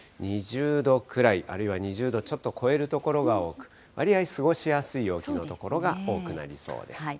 ２０度くらい、あるいは２０度ちょっと超える所が多く、わりあい過ごしやすい陽気の所が多くなりそうです。